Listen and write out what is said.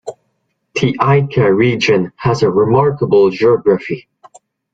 The Ica Region has a remarkable geography.